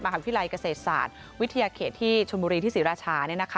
วิทยาลัยเกษตรศาสตร์วิทยาเขตที่ชนบุรีที่ศรีราชา